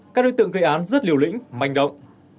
các đối tượng gây án rất liều lĩnh manh động